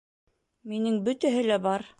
Минең бөтәһе лә бар